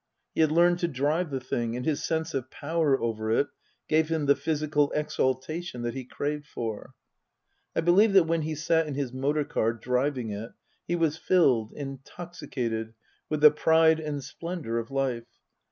He had learned to drive the thing, and his sense of power over it gave him the physical exaltation that he craved for. I believe that when he sat in his motor car, driving it, he was filled, intoxicated, with the pride and splendour of life.